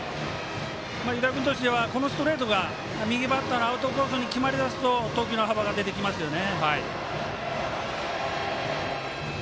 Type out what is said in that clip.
湯田君とすればストレートが右バッターのアウトコースに決まりだすと投球の幅が出てきますよね。